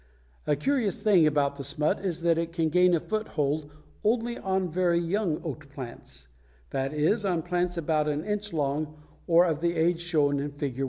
A curious thing about the smut is that it can gain a foothold only on very young oat plants; that is, on plants about an inch long or of the age shown in Fig.